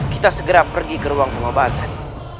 kita segera pergi ke ruang pengobatan